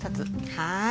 はい。